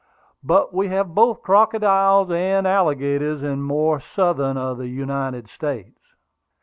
But we have both crocodiles and alligators in the more southern of the United States."